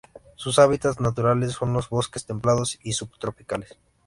Sus hábitats naturales son los bosques templados y subtropicales.